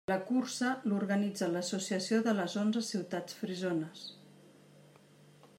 La cursa l'organitza l'associació de les onze ciutats frisones.